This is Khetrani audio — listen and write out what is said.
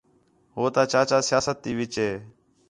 ہو تا چاچا سیاست تی وِچ ہِے